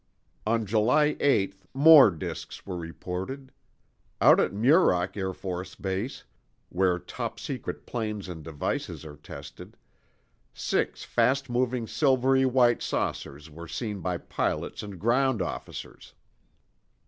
On July 8 more disks were reported. Out at Muroc Air Force Base, where top secret planes and devices are tested, six fast moving silvery white saucers were seen by pilots and ground officers.